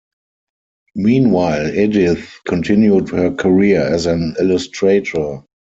Meanwhile, Edith continued her career as an illustrator.